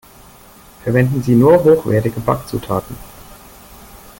Verwenden Sie nur hochwertige Backzutaten!